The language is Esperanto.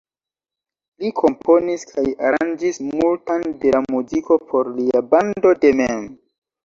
Li komponis kaj aranĝis multan de la muziko por lia bando de mem.